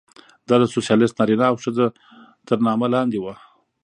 دا د سوسیالېست نارینه او ښځه تر نامه لاندې وه.